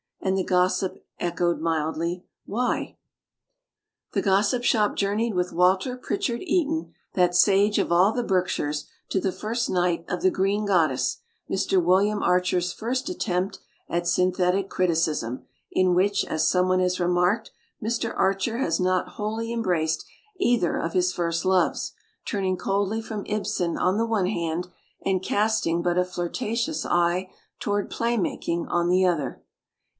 And the Gossip echoed mildly, "Why?" The Gossip Shop journeyed with Walter Prichard Eaton, that sage of all the Berkshires, to the first night of "The Green Goddess", Mr. William Archer's first attempt at synthetic criticism, in which, as someone has remarked, Mr. Archer has not wholly embraced either of his first loves, turn ing coldly from Ibsen on the one hand and casting but a flirtatious eye toward "Play Making" on the other.